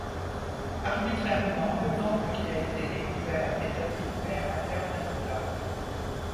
Arbitrairement, le temple qui a été découvert est attribué à Mater Matuta.